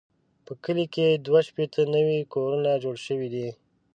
په کلي کې دوه شپېته نوي کورونه جوړ شوي دي.